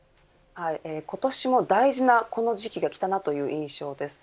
今年も大事なこの時期がきたなという印象です。